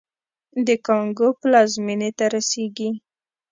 د کانګو پلازمېنې ته رسېږي.